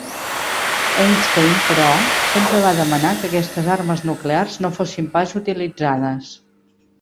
Einstein, però, sempre va demanar que aquestes armes nuclears no fossin pas utilitzades.